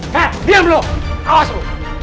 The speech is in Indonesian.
ke hadapan keseluruhannya